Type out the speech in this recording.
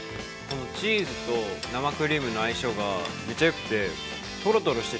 ◆チーズと生クリームの相性がめっちゃよくて。